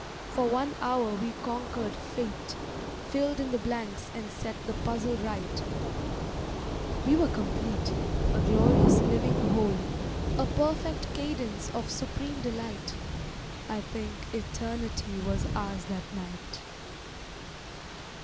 —for one hour we conquered fate; Filled in the blanks and set the puzzle right; We were complete, a glorious, living whole, A perfect cadence of supreme delight— I think eternity was ours that night.